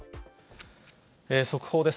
速報です。